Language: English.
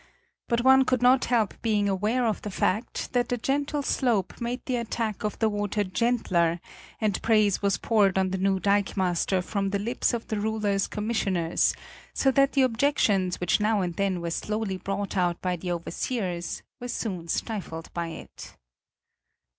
But one could not help being aware of the fact that the gentle slope made the attack of the water gentler; and praise was poured on the new dikemaster from the lips of the ruler's commissioners, so that the objections which now and then were slowly brought out by the overseers, were soon stifled by it.